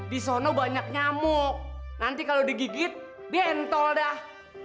disono banyak nyamuk nanti kalau digigit bentol dah